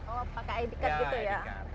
kalau pakai id card gitu ya